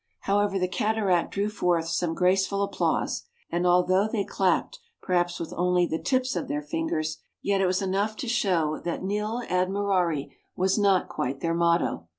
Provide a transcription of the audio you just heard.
However, the cataract drew forth some grace ful applause, and although they clapped perhaps with only the tips of their fingers, yet it was enough to show that THREE ENGLISHMEN AND THREE RUSSIANS. 29 " nil admirari " was not quite their motto.